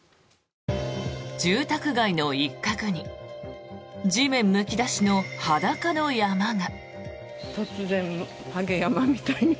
住宅街の一角に地面むき出しの裸の山が。